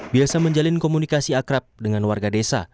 biasa menjalin komunikasi akrab dengan warga desa